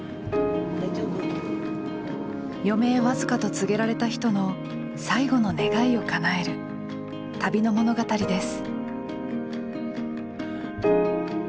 余命わずかと告げられた人の最後の願いをかなえる旅の物語です。